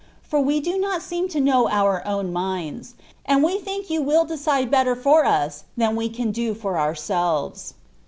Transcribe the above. for we do nut seem to knnw our own minds, and we think you will decide heller for us tlwa we, cnn Ao fbr ourselves."'